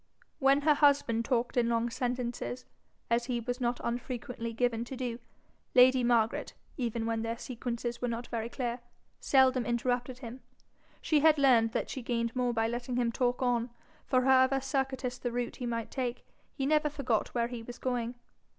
When her husband talked in long sentences, as he was not unfrequently given to do, lady Margaret, even when their sequences were not very clear, seldom interrupted him: she had learned that she gained more by letting him talk on; for however circuitous the route he might take, he never forgot where he was going.